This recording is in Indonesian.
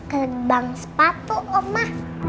kembang sepatu oma